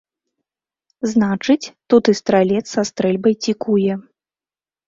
Значыць, тут і стралец са стрэльбай цікуе.